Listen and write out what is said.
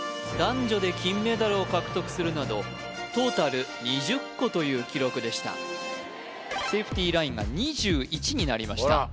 男女で金メダルを獲得するなどトータル２０個という記録でしたセーフティーラインが２１になりました